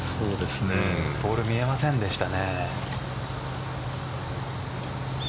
ボール見えませんでしたね。